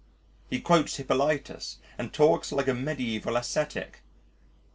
He quotes Hippolytus and talks like a mediæval ascetic.